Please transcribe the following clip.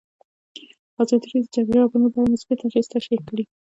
ازادي راډیو د د جګړې راپورونه په اړه مثبت اغېزې تشریح کړي.